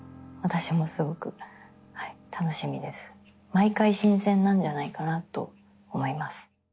毎回新鮮なんじゃないかなと思います。